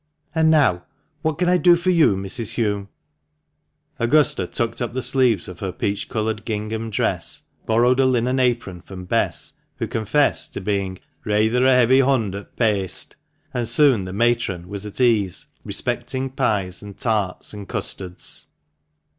" And now what can I do for you, Mrs. Hulme?" Augusta tucked up the sleeves of her peach coloured gingham dress, borrowed a linen apron from Bess, who confessed to being " rayther a heavy hond at paste," and soon the matron was at ease respecting pies, and tarts, and custards.